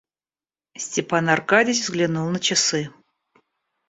Степан Аркадьич взглянул на часы.